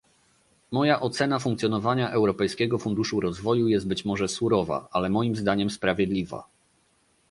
Moja ocena funkcjonowania Europejskiego Funduszu Rozwoju jest być może surowa, ale moim zdaniem sprawiedliwa